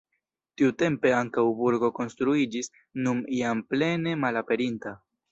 Tiutempe ankaŭ burgo konstruiĝis, nun jam plene malaperinta.